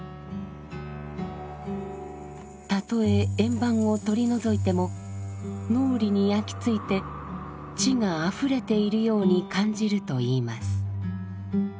たとえ円盤を取り除いても脳裏に焼き付いて地があふれているように感じるといいます。